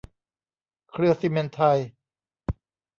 เครือซิเมนต์ไทย